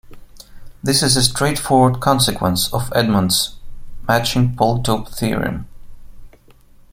This is a straightforward consequence of Edmonds' matching polytope theorem.